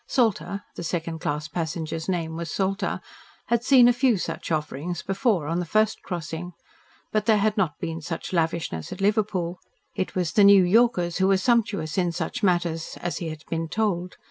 Salter the second class passenger's name was Salter had seen a few such offerings before on the first crossing. But there had not been such lavishness at Liverpool. It was the New Yorkers who were sumptuous in such matters, as he had been told.